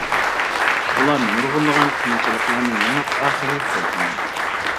ئۇلار نۇرغۇنلىغان قىيىنچىلىقلارنى يېڭىپ، ئاخىرى توي قىلدى.